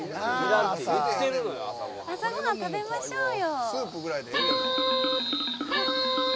朝ごはん、食べましょうよ。